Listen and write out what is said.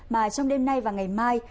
mà trong đêm nay và ngày mai